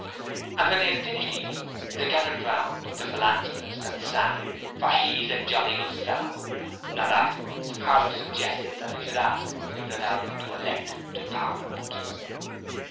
And when they had finished eating they gathered round the philanthropist and sang, 'For he's a jolly good fellow,' and afterwards Harlow suggested that they should ask him if he would allow them to elect him to Parliament.